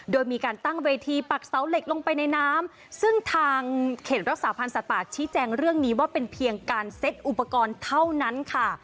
โดยมีการตั้งเวทีปักเสาเหล็กลงไปในน้ำซึ่งทางเขตรักษาพันธ์สัตว์ป่าชี้แจงเรื่องนี้ว่าเป็นเพียงการเซ็ตอุปกรณ์เท่านั้นค่ะ